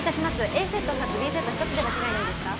Ａセット２つＢセット１つで間違いないですか？